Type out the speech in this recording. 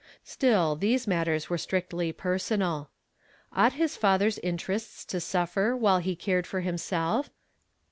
Still, these mattera were strictly personal. Ought his father's interests to suffer while he cared for himself?